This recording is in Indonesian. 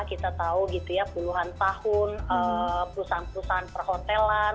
kita tahu gitu ya puluhan tahun perusahaan perusahaan perhotelan